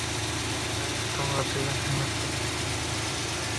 আরে, তোমরা দুইজন হেলমেট কেনো পরে নিলে?